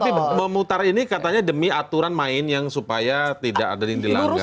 tapi memutar ini katanya demi aturan main yang supaya tidak ada yang dilanggar